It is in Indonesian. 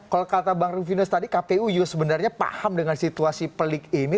kalau kata bang rufinus tadi kpu juga sebenarnya paham dengan situasi pelik ini